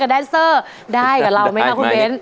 ได้กับเรามั้ยคะคุณเบนส์